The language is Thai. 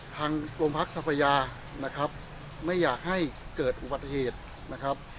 ทางโรงพักทรัพยานะครับไม่อยากให้เกิดอุบัติเหตุนะครับ